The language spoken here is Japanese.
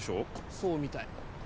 そうみたい。